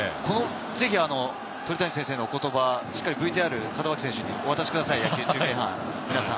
ぜひ鳥谷先生のお言葉、しっかりＶＴＲを門脇選手にもお渡しください、野球中継班。